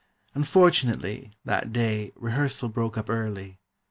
Unfortunately, that day, rehearsal broke up early.